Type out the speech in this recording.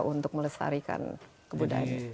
untuk melestarikan kebudayaan